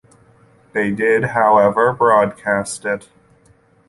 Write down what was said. They did however broadcast it.